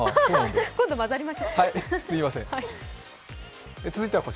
今度混ざりましょう。